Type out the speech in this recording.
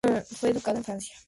Fue educado en Francia.